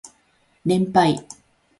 連敗